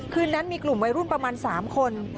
คืนนั้นมีกลุ่มวัยรุ่นประมาณ๓คน